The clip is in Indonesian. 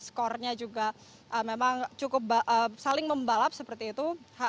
skornya juga memang cukup saling membalap seperti itu